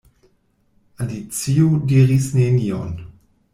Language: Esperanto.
Alicio diris nenion.